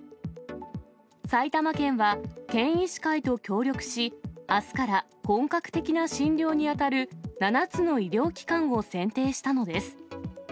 埼玉県は、県医師会と協力し、あすから本格的な診療に当たる７つの医療機関を選定したのです。